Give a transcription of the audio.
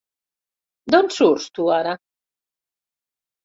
D'on surts, tu ara?